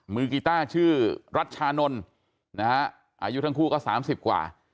มือกีต้าชื่อรัชฌานนท์อายุทั้งคู่ก็สามสิบกว่า